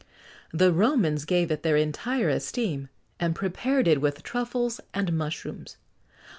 [XX 73] The Romans gave it their entire esteem,[XX 74] and prepared it with truffles and mushrooms.